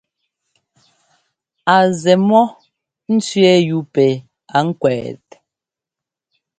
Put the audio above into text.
A zɛ mɔ́ ńtsẅɛ́ɛ yúu pɛ a ŋkwɛt ?